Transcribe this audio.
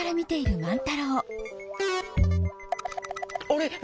あれ？